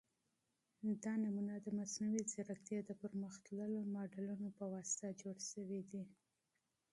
دا ډیزاین د مصنوعي ځیرکتیا د پرمختللو ماډلونو په واسطه جوړ شوی دی.